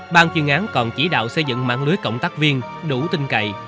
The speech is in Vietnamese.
ban chuyên án còn chỉ đạo xây dựng mạng lưới cộng tác viên đủ tinh cậy